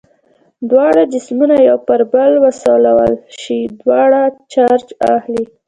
دواړه جسمونه یو پر بل وسولول شي دواړه چارج اخلي.